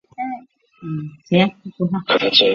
迈森瓷器是第一批在东方以外烧造的高品质的瓷器。